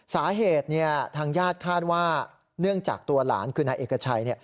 สาเหตุทางญาติคาดว่าเนื่องจากตัวหลานคือนายเอกชัย